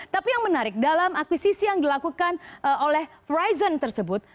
tapi yang menarik dalam akuisisi yang dilakukan oleh verizon tersebut